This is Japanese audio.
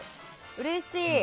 うれしい！